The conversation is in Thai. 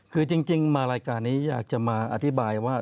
คือจริงมารายการนี้อยากจะมาอธิบายว่า